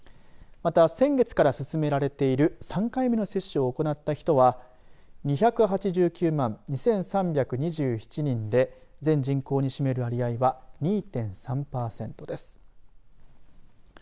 また、先月から進められている３回目の接種を行った人は２８９万２３２７人で全人口に占める割合は２．３パーセントです。